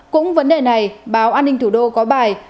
cũng vấn đề này báo an ninh thủ đô có bài